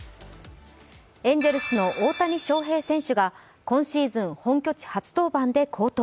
エンゼルスの大谷翔平選手が今シーズン本拠地初登板で好投。